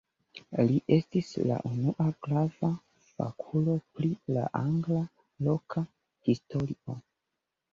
Li estis la unua grava fakulo pri la angla loka historio.